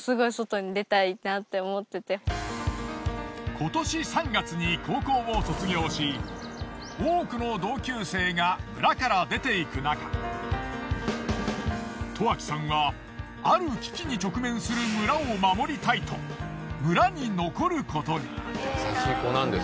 今年３月に高校を卒業し多くの同級生が村から出ていくなか十秋さんはある危機に直面する村を守りたいと村に残ることに。